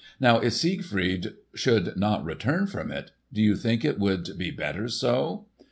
Now if Siegfried should not return from it, do you think it would be better so?"